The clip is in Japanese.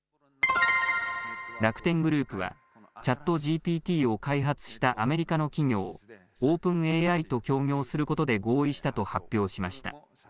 楽天グループは、ＣｈａｔＧＰＴを開発したアメリカの企業、オープンＡＩと協業することで合意したと発表しました。